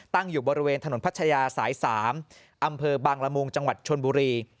ตั้งอยู่บริเวณถนนพัชยาสาย๓อำเภอบางละมุงจังหวัดชนบุรี